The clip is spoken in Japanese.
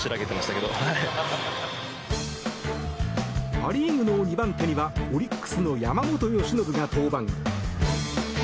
パ・リーグの２番手にはオリックスの山本由伸が登板。